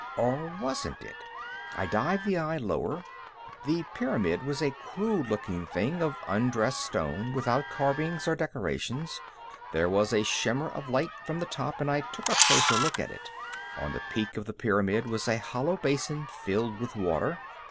Or wasn't it? I dived the eye lower. The pyramid was a crude looking thing of undressed stone, without carvings or decorations. There was a shimmer of light from the top and I took a closer look at it. On the peak of the pyramid was a hollow basin filled with water.